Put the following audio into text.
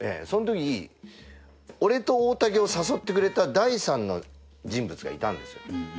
その時に俺と大竹を誘ってくれた第３の人物がいたんですよ。